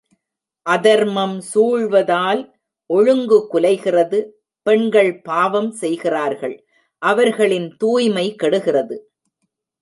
அதர்மம் சூழ்வதால், ஒழுங்கு குலைகிறது பெண்கள் பாவம் செய்கிறார்கள் அவர்களின் தூய்மை கெடுகிறது.